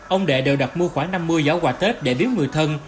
ông đệ đều đặt mua khoảng năm mươi giỏ quà tết để biếu người thân